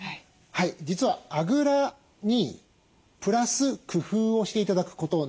実はあぐらにプラス工夫をして頂くことなんです。